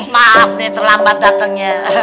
maaf nih terlambat datangnya